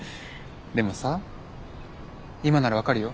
でもさ今なら分かるよ。